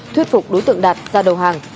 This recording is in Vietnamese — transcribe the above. thuyết phục đối tượng đạt ra đầu hàng